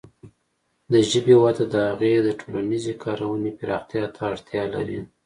د ژبې وده د هغې د ټولنیزې کارونې پراختیا ته اړتیا لري.